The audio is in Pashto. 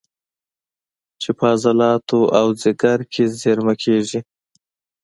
چې په عضلاتو او ځیګر کې زېرمه کېږي